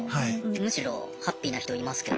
むしろハッピーな人いますけど。